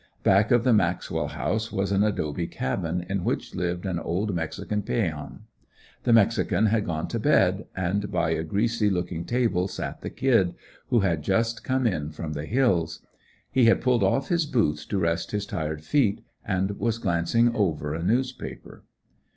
Back of the Maxwell house was an adobe cabin in which lived an old mexican Peon. The mexican had gone to bed, and by a greasy looking table sat the "Kid," who had just come in from the hills. He had pulled off his boots to rest his tired feet, and was glancing over a newspaper.